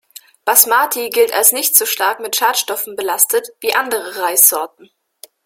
Basmati gilt als nicht so stark mit Schadstoffen belastet wie andere Reissorten.